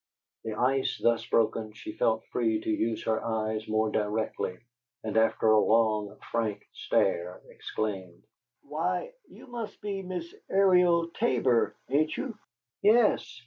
The ice thus broken, she felt free to use her eyes more directly, and, after a long, frank stare, exclaimed: "Why, you must be Miss Ariel Tabor, ain't you?" "Yes."